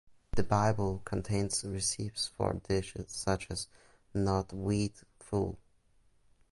The "Bible" contains recipes for dishes such as knotweed fool.